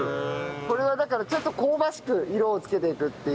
これはだからちょっと香ばしく色を付けていくっていう。